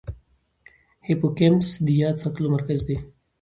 هیپوکمپس د یاد ساتلو مرکز دی.